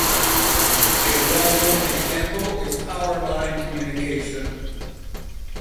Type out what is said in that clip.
A well-known example is power line communication.